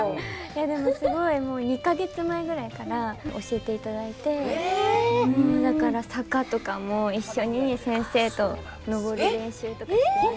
すごいもう２か月前ぐらいから教えていただいてもうだから坂とかも一緒に先生と上る練習とかしてました。